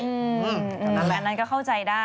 อืมอืมอันนั้นก็เข้าใจได้